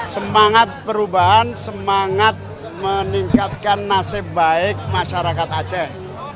semangat perubahan semangat meningkatkan nasib baik masyarakat aceh